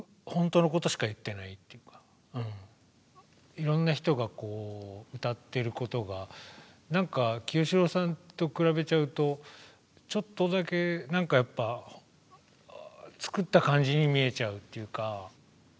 いろんな人がこう歌ってることがなんか清志郎さんと比べちゃうとちょっとだけなんかやっぱ作った感じに見えちゃうっていうか。